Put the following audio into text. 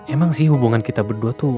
emang sih hubungan kita berdua tuh